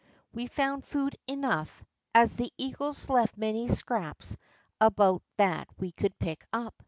We found food enough, as the eagles left many scraps about that we could pick up.